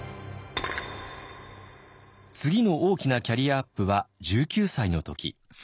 次の大きなキャリアアップは１９歳の時。